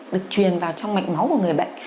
được truyền vào trong mạch máu của người bệnh